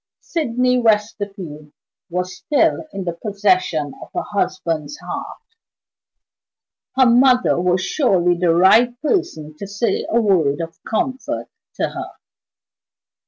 Sydney Westerfield was still in possession of her husband's heart! Her mother was surely the right person to say a word of comfort to her.